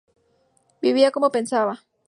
Vivía como pensaba.